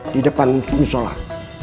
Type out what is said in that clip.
di depan kini sholah